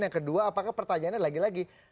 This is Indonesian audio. yang kedua apakah pertanyaannya lagi lagi